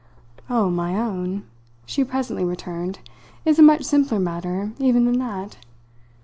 "Oh, my own," she presently returned, "is a much simpler matter even than that.